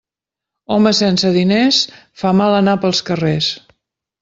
Home sense diners fa mal anar pels carrers.